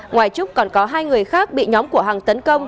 ngoài trúc còn có hai người khác bị nhóm của hằng tấn công